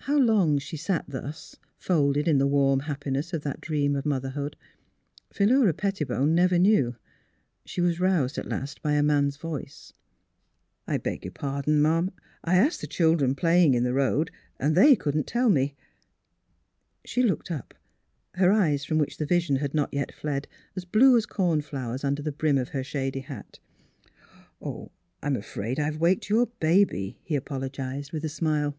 How long she sat thus, folded in the warm hap piness of that dream of motherhood, Philura Pet tibone never knew. She was roused at last by a man's voice. " I beg your pardon, ma'am; I asked the chil dren playing in the road, and they couldn't tell me " She looked up, her eyes from which the vision had not yet fled blue as corn flowers under the brim of her shady hat. ''I'm afraid I've waked your baby," he apolo gised, with a smile.